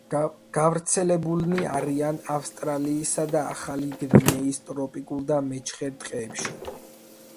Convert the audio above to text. გავრცელებულნი არიან ავსტრალიისა და ახალი გვინეის ტროპიკულ და მეჩხერ ტყეებში.